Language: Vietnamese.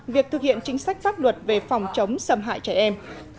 việc thực hiện chính sách pháp luật về phòng chống xâm hại trẻ em